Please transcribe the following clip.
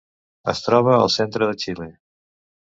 Es troba al centre de Xile.